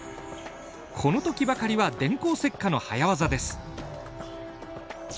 この時ばかりは電光石火の早業です。